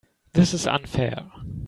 This is unfair.